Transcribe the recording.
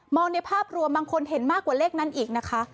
ในภาพรวมบางคนเห็นมากกว่าเลขนั้นอีกนะคะ